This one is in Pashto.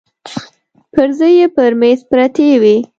پرزې يې پر مېز پرتې وې.